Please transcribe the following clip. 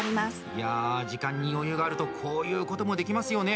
いや時間に余裕があるとこういうこともできますよね。